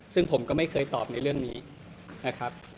ซึ่งผมก็ไม่เคยตอบในเรื่องนี้นะครับ